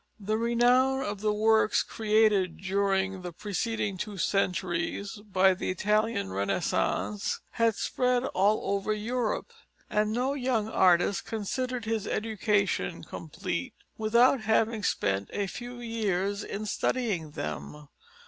The renown of the works created during the preceding two centuries by the Italian Renaissance had spread all over Europe, and no young artist considered his education complete without having spent a few years in studying them.